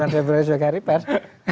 sembilan februari sebagai hari pers